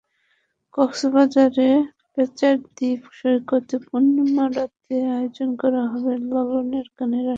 কক্সবাজারের প্যাঁচার দ্বীপ সৈকতে পূর্ণিমা রাতে আয়োজন করা হবে লালনের গানের আসর।